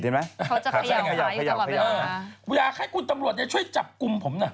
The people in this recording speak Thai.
เขาจะเขย่าขายอยู่ตลอดไปออกมาอยากให้คุณตำรวจช่วยจับกุมผม